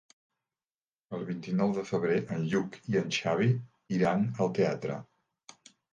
El vint-i-nou de febrer en Lluc i en Xavi iran al teatre.